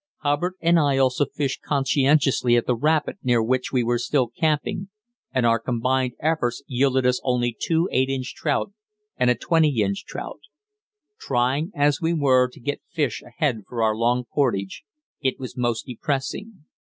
Hubbard and I also fished conscientiously at the rapid near which we were still camping, and our combined efforts yielded us only two eight inch trout and a twenty inch trout. Trying as we were to get fish ahead for our long portage, it was most depressing.